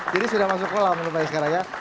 jadi sudah masuk kolam menurut pak iskara ya